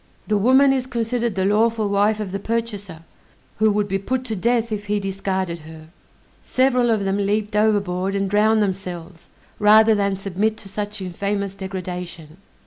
The woman is considered the lawful wife of the purchaser, who would be put to death if he discarded her. Several of them leaped overboard and drowned themselves, rather than submit to such infamous degradation.